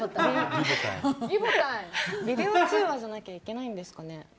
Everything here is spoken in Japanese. ビデオ通話じゃなきゃいけないんですかね？